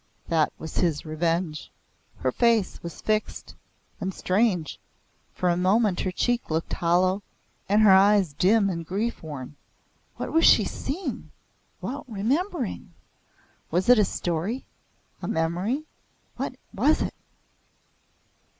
That was his revenge!" Her face was fixed and strange, for a moment her cheek looked hollow, her eyes dim and grief worn. What was she seeing? what remembering? Was it a story a memory? What was it?